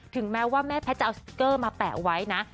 แม้ว่าแม่แพทย์จะเอาสติ๊กเกอร์มาแปะไว้นะ